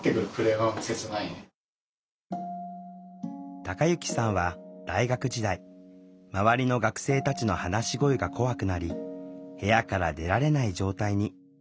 たかゆきさんは大学時代周りの学生たちの話し声が怖くなり部屋から出られない状態に。